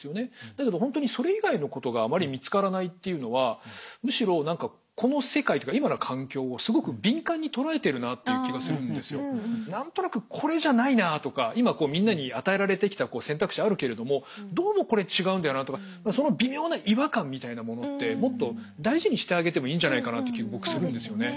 だけど本当にそれ以外のことがあまり見つからないっていうのはむしろ何かこの世界というか何となくこれじゃないなとか今みんなに与えられてきた選択肢はあるけれどもどうもこれ違うんだよなとかその微妙な違和感みたいなものってもっと大事にしてあげてもいいんじゃないかなって気が僕するんですよね。